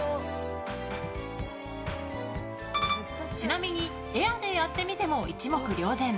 ちなみに、エアでやってみても一目瞭然。